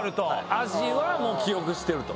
味は記憶してると。